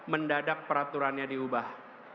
mendadak peraturannya diubah